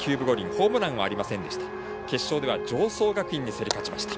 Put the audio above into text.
ホームランはありませんでした。